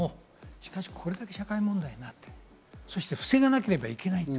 しかし、これだけ社会問題になっていて、そして、防がなければいけない。